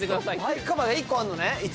バイクカバーが１個あるのね。